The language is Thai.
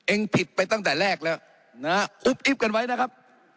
เอ็งผิดไปตั้งแต่แรกแล้วอุบอีบกันไว้นะครับ